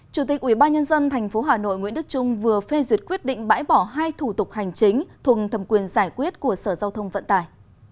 chủ tịch ubnd tp hà nội nguyễn đức trung vừa phê duyệt quyết định bãi bỏ hai thủ tục hành chính thuộc thẩm quyền giải quyết của sở giao thông vận tải